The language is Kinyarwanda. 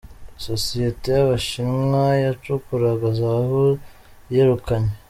Sosiyete y’Abashinwa yacukuraga zahabu yirukanywe